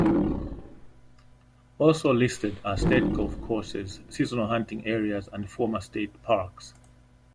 Also listed are state golf courses, seasonal hunting areas, and "former" state parks.